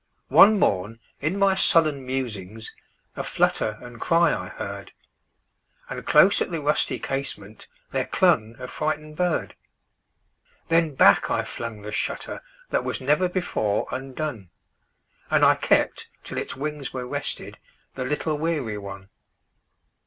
One morn, in my sullen musings,A flutter and cry I heard; And close at the rusty casementThere clung a frightened bird. Then back I flung the shutterThat was never before undone, And I kept till its wings were restedThe little weary one.